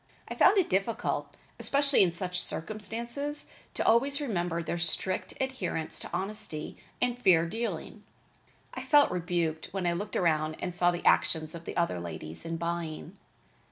I found it difficult, especially in such circumstances, to always remember their strict adherence to honesty and fair dealing. I felt rebuked when I looked around and saw the actions of the other ladies in buying.